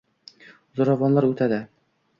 Zo‘ravonlar o‘tadi